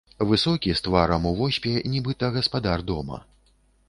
Высокі, з тварам у воспе, нібыта гаспадар дома.